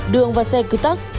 đường và xe cứ tắc